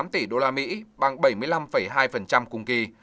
tám tỷ usd bằng bảy mươi năm hai cùng kỳ